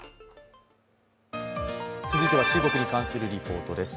続いては中国に関するリポートです。